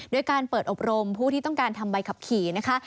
การเปิดอบรมผู้ที่ต้องการทำใบขับขี่นะคะ